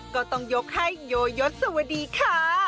ก็ต้องยกให้โยยศสวัสดีค่ะ